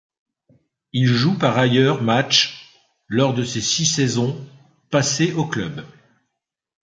Il joue par ailleurs matchs lors de ses six saisons passées au club.